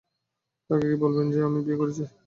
তাকে কি বলবেন যে আমি বিয়ে করেছি?